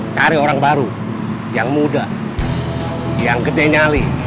cari orang baru yang muda yang gede nyali